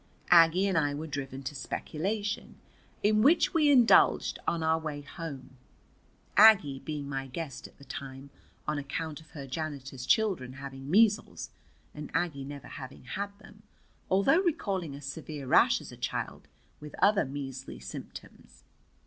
Aggie and I were driven to speculation, in which we indulged on our way home, Aggie being my guest at the time, on account of her janitor's children having measles, and Aggie never having had them, although recalling a severe rash as a child, with other measly symptoms.